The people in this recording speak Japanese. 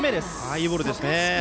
いいボールでしたね。